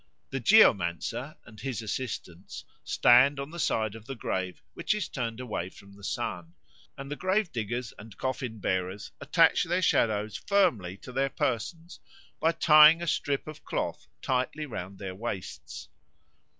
The geomancer and his assistants stand on the side of the grave which is turned away from the sun; and the grave diggers and coffin bearers attach their shadows firmly to their persons by tying a strip of cloth tightly round their waists.